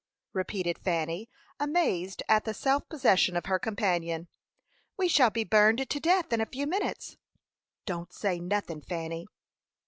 repeated Fanny, amazed at the self possession of her companion. "We shall be burned to death in a few minutes." "Don't say nothin', Fanny."